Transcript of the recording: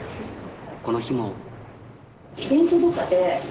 この日も。